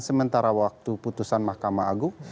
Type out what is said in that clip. sementara waktu putusan mahkamah agung